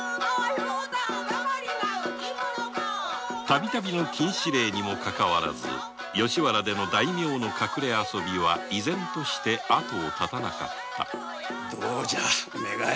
度々の禁止令にもかかわらず吉原での大名の隠れ遊びは依然として後を絶たなかったどうじゃ梅が枝。